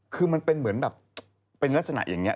คือมันเป็นเหมือนแบบเป็นลักษณะอย่างนี้